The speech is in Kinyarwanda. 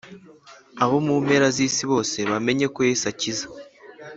Abo mumpera z’isi bose bamenye ko yesu akiza